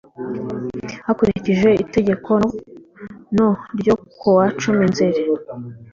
Hakurikijwe Itegeko No ryo kuwa cumi nzeri